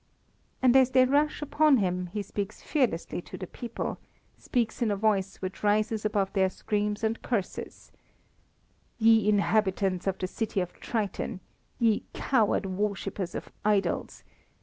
And as they rush upon him, he speaks fearlessly to the people, speaks in a voice which rises above their screams and curses "Ye inhabitants of the City of Triton! Ye coward worshippers of idols!